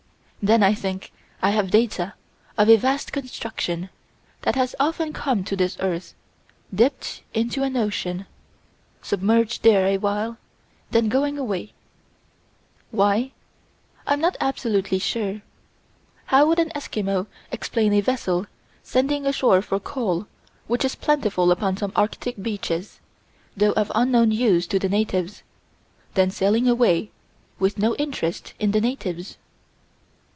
Then I think I have data of a vast construction that has often come to this earth, dipped into an ocean, submerged there a while, then going away Why? I'm not absolutely sure. How would an Eskimo explain a vessel, sending ashore for coal, which is plentiful upon some Arctic beaches, though of unknown use to the natives, then sailing away, with no interest in the natives?